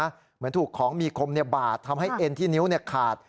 เหมือนถูกของมีคมบาดทำให้เอ็นที่นิ้วขาด